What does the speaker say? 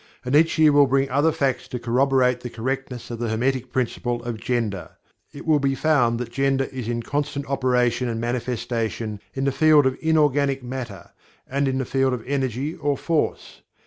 And each year will bring other facts to corroborate the correctness of the Hermetic Principle of Gender. It will be found that Gender is in constant operation and manifestation in the field of inorganic matter, and in the field of Energy or Force.